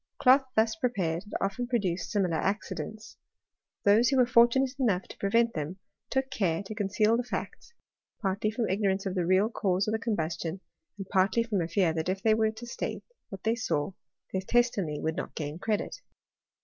Cloth thus prepared had often produced similar accidents. Those who were fortunate enough to prevent them, took care to conceal the facts, partly from ignorance of the real cause of the combustion, and partly from a fear that if they were to state what they saw, their testimony would not gain credit.